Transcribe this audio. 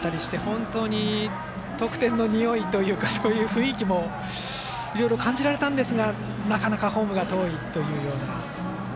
本当に、得点のにおいというかそういう雰囲気もいろいろ感じられましたがなかなかホームが遠いというような。